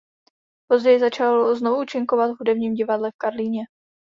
Později začal znovu účinkovat v Hudebním divadle v Karlíně.